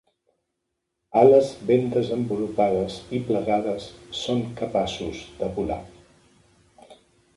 Ales ben desenvolupades i plegades, són capaços de volar.